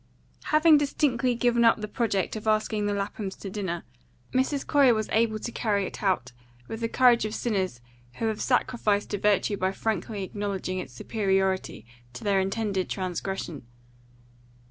HAVING distinctly given up the project of asking the Laphams to dinner, Mrs. Corey was able to carry it out with the courage of sinners who have sacrificed to virtue by frankly acknowledging its superiority to their intended transgression.